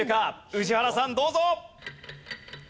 宇治原さんどうぞ。